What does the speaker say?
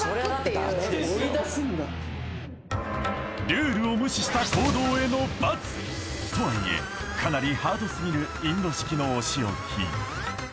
ルールを無視した行動への罰！とはいえかなりハードすぎるインド式のおしおき